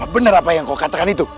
benar apa yang kau katakan itu